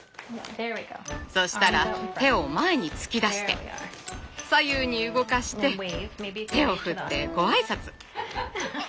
そしたら手を前に突き出して左右に動かして手を振ってご挨拶。